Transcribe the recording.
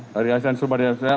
dari asean sumber daya manusia